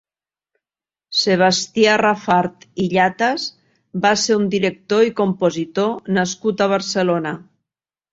Sebastià Rafart i Llatas va ser un director i compositor nascut a Barcelona.